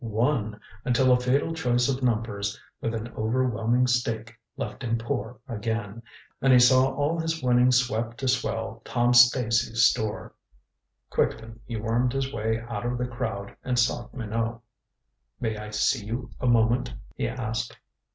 Won, until a fatal choice of numbers with an overwhelming stake left him poor again, and he saw all his winnings swept to swell Tom Stacy's store. Quickly he wormed his way out of the crowd and sought Minot. "May I see you a moment?" he asked.